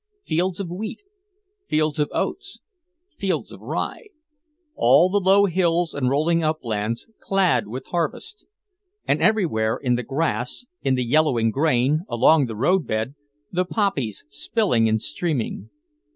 Fields of wheat, fields of oats, fields of rye; all the low hills and rolling uplands clad with harvest. And everywhere, in the grass, in the yellowing grain, along the road bed, the poppies spilling and streaming.